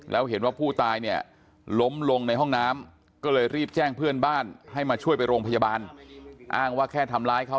แล้วเห็นว่าผู้ตายเนี่ยล้มลงในห้องน้ำก็เลยรีบแจ้งเพื่อนบ้านให้มาช่วยไปโรงพยาบาลอ้างว่าแค่ทำร้ายเขา